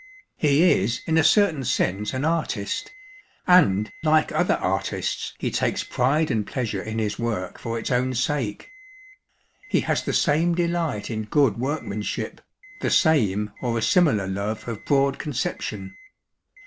He is in a certain sense an artist, and, like other artists, he takes pride and pleasure in his work for its own sake. He has the same delight in good workmanship, the same or a similar love of broad conception.